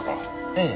ええ。